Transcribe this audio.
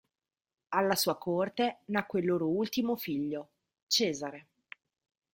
Alla sua corte nacque il loro ultimo figlio, Cesare.